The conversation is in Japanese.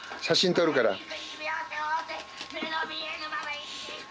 写真撮るから。